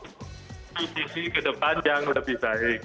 untuk posisi ke depan yang lebih baik